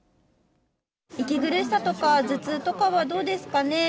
息苦しさとか、頭痛とかはどうですかね。